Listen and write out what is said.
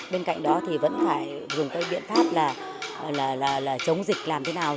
bên cạnh đó thì vẫn phải dùng cái biện pháp là chống dịch làm thế nào